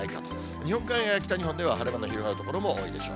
日本海側や北日本では晴れ間の広がる所も多いでしょう。